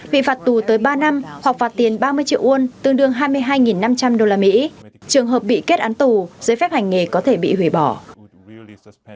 bị phạt tù tới ba năm hoặc phạt tiền ba mươi triệu won tương đương hai mươi hai năm trăm linh usd trường hợp bị kết án tù giấy phép hành nghề có thể bị hủy bỏ